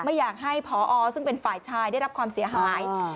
ไม่อยากให้พอซึ่งเป็นฝ่ายชายได้รับความเสียหาย